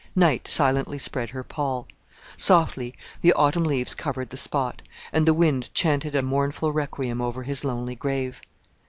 Night silently spread her pall; softly the autumn leaves covered the spot, and the wind chanted a mournful requiem over his lonely grave.